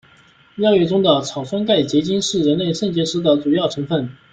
尿液中的草酸钙结晶是人类肾结石的主要成分。